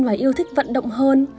và yêu thích vận động hơn